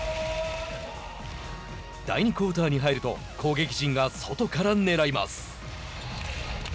第２クオーターに入ると攻撃陣が外からねらいます。